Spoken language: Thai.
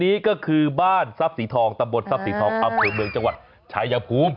นี้ก็คือบ้านทรัพย์สีทองตำบลทรัพย์สีทองอำเภอเมืองจังหวัดชายภูมิ